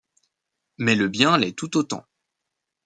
Mais le bien l'est tout autant.